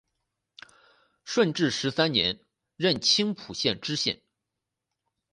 顺治十三年任青浦县知县。